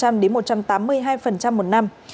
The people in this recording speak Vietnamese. một trăm tám mươi hai một năm